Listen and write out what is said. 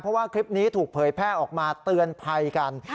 เพราะว่าคลิปนี้ถูกเผยแพร่ออกมาเตือนภัยกัน